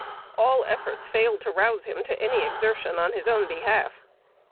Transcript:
All efforts failed to rouse him to any exertion on his own behalf.